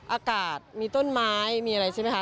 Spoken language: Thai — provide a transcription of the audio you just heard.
อากาศมีต้นไม้มีอะไรใช่ไหมคะ